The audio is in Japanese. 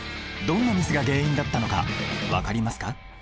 どんなミスが原因だったのかわかりますか？